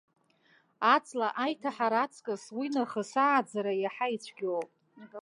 Аҵла аиҭаҳара аҵкыс, уи нахыс ааӡара иаҳа ицәгьоуп.